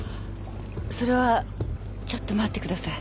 それはちょっと待ってください。